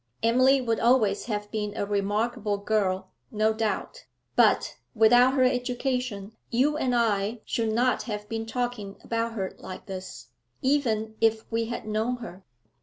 Emily would always have been a remarkable girl, no doubt; but, without her education, you and I should not have been talking about her like this, even if we had known her.